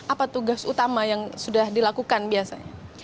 apa tugas utama yang sudah dilakukan biasanya